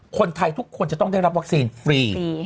คนไทยทุกคนจะต้องได้รับวัคซีนฟรี